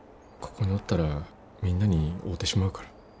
ここにおったらみんなに会うてしまうから。